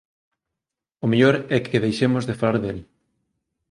O mellor é que deixemos de falar del.